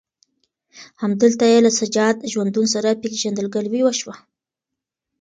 همدلته یې له سجاد ژوندون سره پېژندګلوي وشوه.